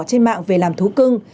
trên mạng về làm thú cưng